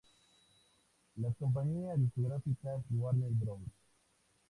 Las compañías discográficas Warner Bros.